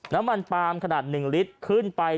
น้ำมันปาล์มขนาด๑ลิตรขึ้นไป